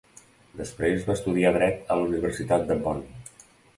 Després va estudiar dret a la Universitat de Bonn.